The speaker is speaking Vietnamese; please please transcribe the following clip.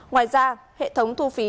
ngoài ra hệ thống thu phí